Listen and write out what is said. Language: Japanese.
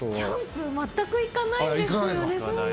全く行かないんですよね。